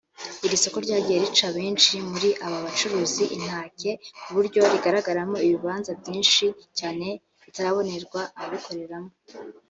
Iri soko ryagiye rica benshi muri aba bacuruzi intake ku buryo rigaragaramo ibibanza byinshi cyane bitarabonerwa ababikoreramo